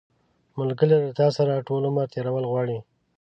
ملګری له تا سره ټول عمر تېرول غواړي